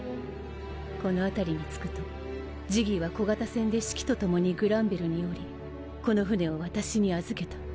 この辺りに着くとジギーは小型船でシキと共にグランベルに降りこの船を私に預けた。